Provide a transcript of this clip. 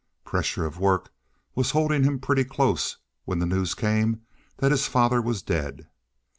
Pressure of work was holding him pretty close when the news came that his father was dead.